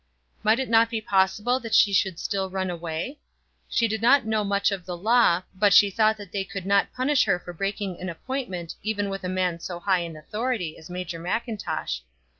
Might it not be possible that she should still run away? She did not know much of the law, but she thought that they could not punish her for breaking an appointment even with a man so high in authority as Major Mackintosh.